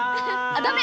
ダメ！